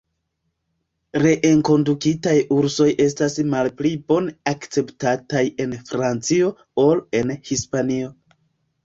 Reenkondukitaj ursoj estas malpli bone akceptataj en Francio ol en Hispanio.